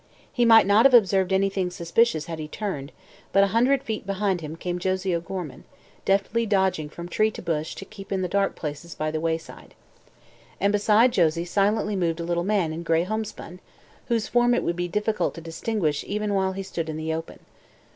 He might not have observed anything suspicious had he turned, but a hundred feet behind him came Josie O'Gorman, deftly dodging from tree to bush to keep in the dark places by the wayside. And behind Josie silently moved a little man in gray homespun, whose form it would be difficult to distinguish even while he stood in the open.